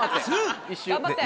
頑張って。